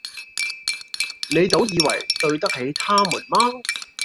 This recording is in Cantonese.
你倒以爲對得起他們麼？”